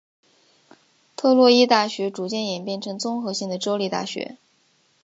特洛伊大学逐渐演变成综合性的州立大学。